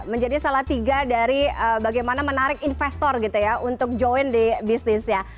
menjadi salah tiga dari bagaimana menarik investor gitu ya untuk join di bisnis ya